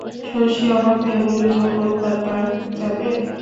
শশী অবাক হইয়া বলিল, কলকাতা যাবে?